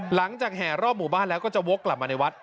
หลังจากแห่รอบหมู่บ้านแล้วก็จะโว๊คกลับมาในวัด